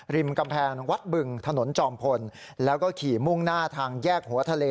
ริมกำแพงวัดบึงถนนจอมพลแล้วก็ขี่มุ่งหน้าทางแยกหัวทะเล